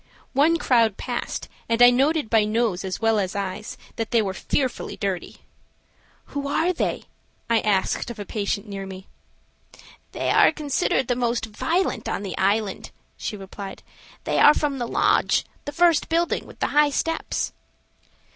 One crowd passed and I noted by nose as well as eyes, that they were fearfully dirty. "Who are they?" I asked of a patient near me. "They are considered the most violent on the island," she replied. "They are from the Lodge, the first building with the high steps."